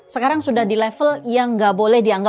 sekarang sudah di level yang nggak boleh dianggap